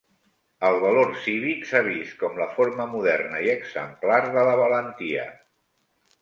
El valor cívic s'ha vist com la forma moderna i exemplar de la valentia.